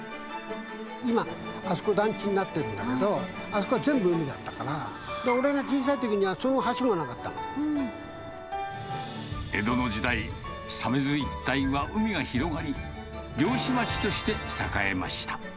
今、あそこ、団地になってるんだけども、あそこは全部海だったから、俺が小さいときには、江戸の時代、鮫洲一帯は海が広がり、猟師町として栄えました。